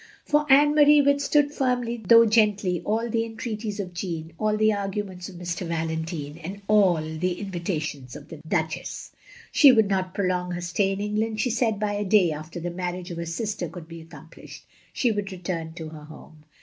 " For Anne Marie withstood firmly though gently all the entreaties of Jeanne, all the arguments of Mr. Valentine, and all the invitations of the Duchess. She would not prolong her stay in England, she said, by a day, after the marriage of her sister should be accomplished. She would return to her home.